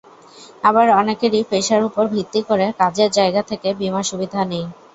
আবার অনেকেরই পেশার ওপর ভিত্তি করে কাজের জায়গা থেকে বিমা সুবিধা নেই।